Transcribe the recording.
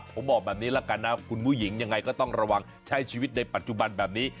ผมบอกแบบนี้ละกันนะคุณผู้หญิงยังไงก็ต้องระวังใช้ชีวิตในปัจจุบันแบบนี้